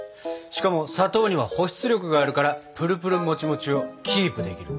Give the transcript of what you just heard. しかも砂糖には保湿力があるからプルプルもちもちをキープできるんだ。